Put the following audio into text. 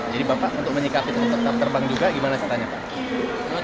jadi bapak untuk menyikapi tetap tetap terbang juga gimana setannya pak